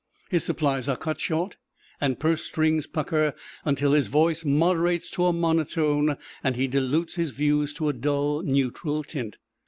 His supplies are cut short, and purse strings pucker until his voice moderates to a monotone and he dilutes his views to a dull neutral tint.